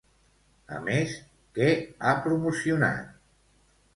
A més, què ha promocionat?